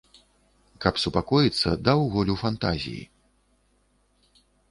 Каб супакоіцца, даў волю фантазіі.